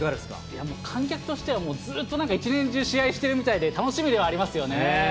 いやもう、観客としてはずっと一年中、試合してるみたいで、楽しみではありますよね。